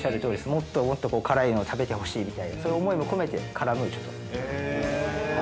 もっともっと辛いのを食べてほしいみたいな、そういう思いも込めてカラムーチョと。